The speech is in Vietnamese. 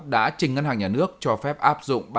đã trình ngân hàng nhà nước cho phép áp dụng